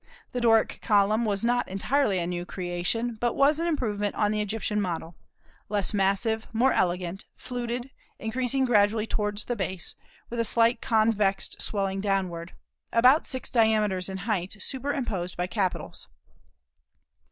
The Doric column was not entirely a new creation, but was an improvement on the Egyptian model, less massive, more elegant, fluted, increasing gradually towards the base, with a slight convexed swelling downward, about six diameters in height, superimposed by capitals.